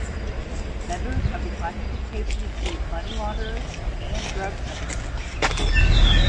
Members of the classification include money launderers and drug traffickers.